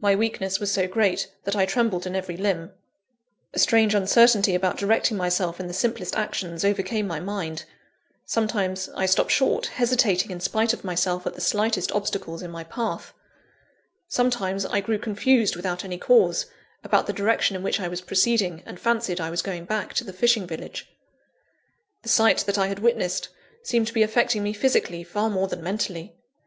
My weakness was so great, that I trembled in every limb. A strange uncertainty about directing myself in the simplest actions, overcame my mind. Sometimes, I stopped short, hesitating in spite of myself at the slightest obstacles in my path. Sometimes, I grew confused without any cause, about the direction in which I was proceeding, and fancied I was going back to the fishing village.. The sight that I had witnessed, seemed to be affecting me physically, far more than mentally.